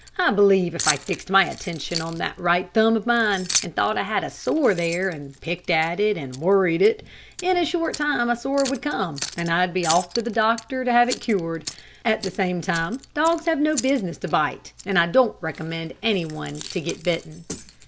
I believe if I fixed my attention on that right thumb of mine, and thought I had a sore there, and picked at it and worried it, in a short time a sore would come, and I'd be off to the doctor to have it cured. At the same time dogs have no business to bite, and I don't recommend any one to get bitten."